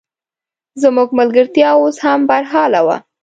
زموږ ملګرتیا اوس هم برحاله وه.